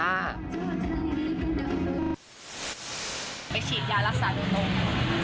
ไปฉีดยารักษาโดยตรง